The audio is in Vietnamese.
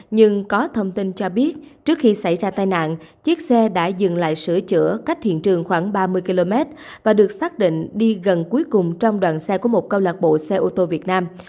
nhưng có thông tin cho biết trước khi xảy ra tai nạn chiếc xe đã dừng lại sửa chữa cách hiện trường khoảng ba mươi km và được xác định đi gần cuối cùng trong đoàn xe của một câu lạc bộ xe ô tô việt nam